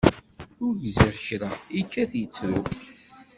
Ur gziɣ kra, ikkat ittru.